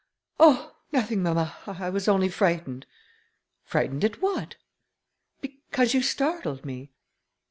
"Oh! nothing, mamma, I was only frightened." "Frightened at what?" "Because you startled me."